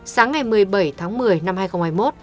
sáng ngày một mươi bảy tháng một mươi năm hai nghìn hai mươi một